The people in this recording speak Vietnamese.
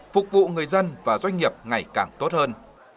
phục vụ người dân và doanh nghiệp ngày càng tốt hơn